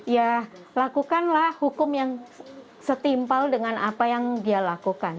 ya lakukanlah hukum yang setimpal dengan apa yang dia lakukan